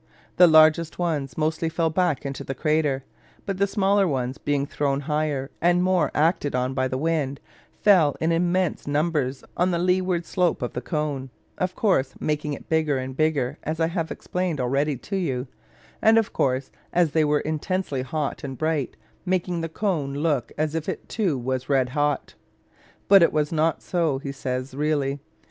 The largest ones mostly fell back into the crater; but the smaller ones being thrown higher, and more acted on by the wind, fell in immense numbers on the leeward slope of the cone" (of course, making it bigger and bigger, as I have explained already to you), and of course, as they were intensely hot and bright, making the cone look as if it too was red hot. But it was not so, he says, really.